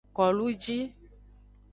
Koluji.